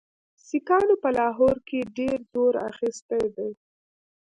سیکهانو په لاهور کې ډېر زور اخیستی دی.